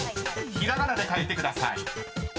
［ひらがなで書いてください］